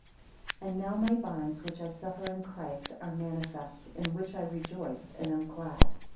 6 And now my bonds, which I suffer in Christ, are manifest, in which I rejoice and am glad.